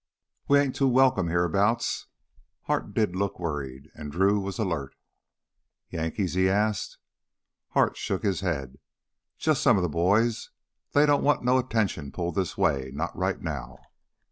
"We ain't too welcome hereabouts." Hart did look worried, and Drew was alert. "Yankees?" he asked. Hart shook his head. "Just some of the boys; they don't want no attention pulled this way, not right now."